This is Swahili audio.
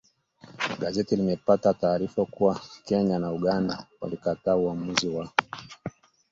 Gazeti limepata taarifa kuwa Kenya na Uganda walikataa uamuzi wa